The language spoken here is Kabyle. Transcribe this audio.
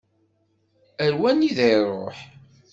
Ar wanida i iṛuḥ?